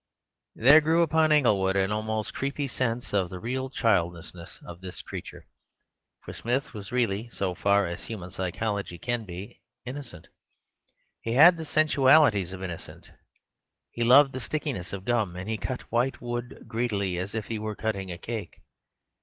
There grew upon Inglewood an almost creepy sense of the real childishness of this creature. For Smith was really, so far as human psychology can be, innocent. He had the sensualities of innocence: he loved the stickiness of gum, and he cut white wood greedily as if he were cutting a cake.